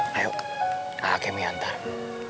tidak dapat dikandalkan